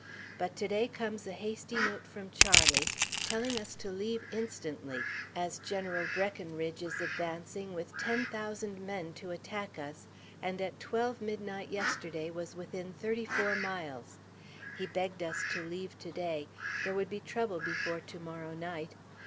But to day comes a hasty note from Charlie, telling us to leave instantly as General Breckinridge is advancing with ten thousand men to attack us, and at 12 M. yesterday was within thirty four miles. He begged us to leave to day; there would be trouble before to morrow night.